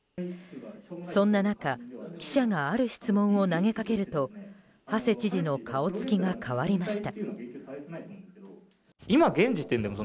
そんな中、記者がある質問を投げかけると馳知事の顔つきが変わりました。